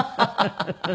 フフフフ！